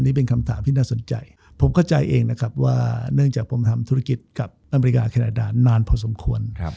นี่เป็นคำถามที่น่าสนใจผมเข้าใจเองนะครับว่าเนื่องจากผมทำธุรกิจกับอเมริกาแคนาดานานพอสมควร